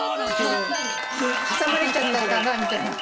挟まれちゃったのかなみたいな。